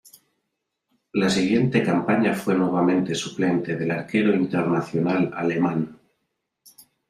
La siguiente campaña fue nuevamente suplente del arquero internacional alemán.